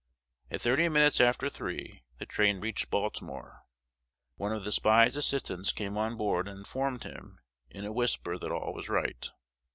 At thirty minutes after three, the train reached Baltimore. One of the spy's assistants came on board, and informed him "in a whisper that all was right."